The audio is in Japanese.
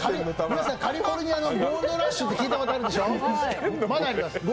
皆さん、カリフォルニアのゴールドラッシュって聞いたことあるでしょ。